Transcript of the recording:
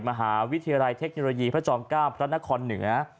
มหาวิทยาลัยเทคโนโลยีพระจอม๙พระนครเหนือ